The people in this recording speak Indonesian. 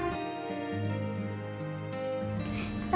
aku mau beli